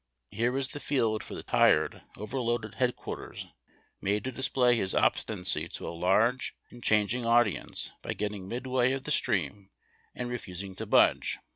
Here was the field for the tired, overloaded "headquarters" in trouble. headquarters mule to display his obstinacy to a large and changing audience, by getting midway of the stream and refusing to budge.